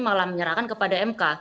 malah menyerahkan kepada mk